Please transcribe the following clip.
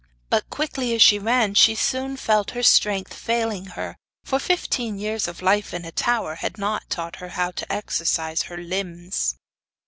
But, quickly as she ran, she soon felt her strength failing her, for fifteen years of life in a tower had not taught her how to exercise her limbs.